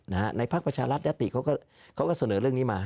ในภาคประชารัฐอาติเขาก็เสนอเรื่องนี้มา